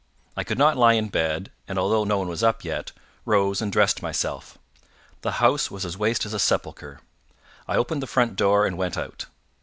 I could not lie in bed, and, although no one was up yet, rose and dressed myself. The house was as waste as a sepulchre. I opened the front door and went out.